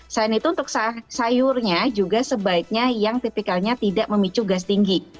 selain itu untuk sayurnya juga sebaiknya yang tipikalnya tidak memicu gas tinggi